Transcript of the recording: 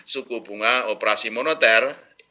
suku bunga operasi moneter